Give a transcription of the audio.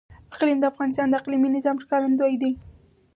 اقلیم د افغانستان د اقلیمي نظام ښکارندوی ده.